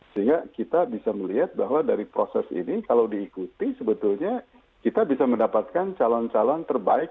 sehingga kita bisa melihat bahwa dari proses ini kalau diikuti sebetulnya kita bisa mendapatkan calon calon terbaik